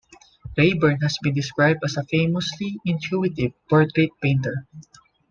Raeburn has been described as a "famously intuitive" portrait painter.